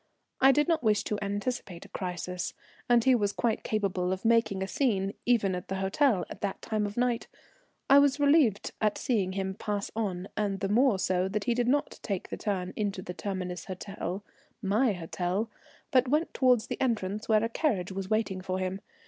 I did not wish to anticipate a crisis, and he was quite capable of making a scene, even at the hotel at that time of night. I was relieved at seeing him pass on, and the more so that he did not take the turn into the Terminus Hotel, my hotel, but went towards the entrance where a carriage was waiting for him.